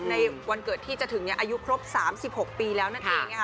ในวันเกิดที่จะถึงอายุครบ๓๖ปีแล้วนั่นเองนะคะ